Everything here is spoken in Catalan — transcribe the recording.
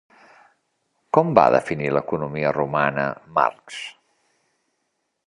Com va definir l'economia romana Marx?